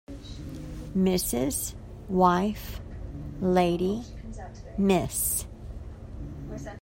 Mrs. wife lady Miss